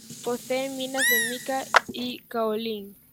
Posee minas de mica y caolín.